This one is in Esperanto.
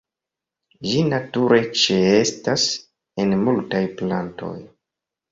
Ĝi nature ĉeestas en multaj plantoj.